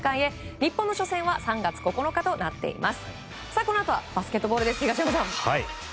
日本の初戦は３月９日となっています。